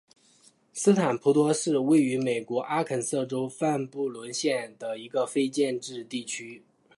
斯坦普托是位于美国阿肯色州范布伦县的一个非建制地区。